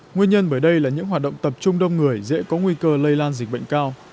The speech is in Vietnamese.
nguyên nhân bởi đây là những hoạt động tập trung đông người dễ có nguy cơ lây lan dịch bệnh cao